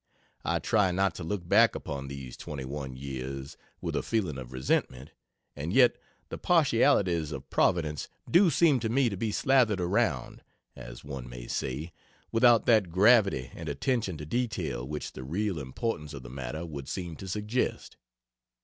I try not to look back upon these 21 years with a feeling of resentment, and yet the partialities of Providence do seem to me to be slathered around (as one may say) without that gravity and attention to detail which the real importance of the matter would seem to suggest.